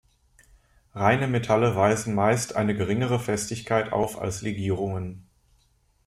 Reine Metalle weisen meist eine geringere Festigkeit auf als Legierungen.